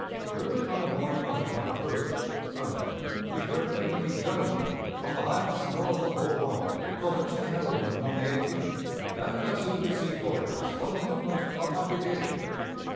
"Early on the morning of the 21st (Sunday), we heard the enemy's guns open from the heights north of Bull Run, from which they had opened on the 18th, and I soon received orders for the movement of my brigade....